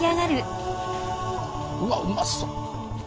うわっうまそう！